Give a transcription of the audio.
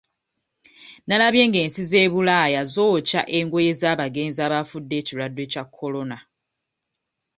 Nalabye ng'ensi z'e Bulaya zookya engoye z'abagenzi abafudde ekirwadde kya Corona.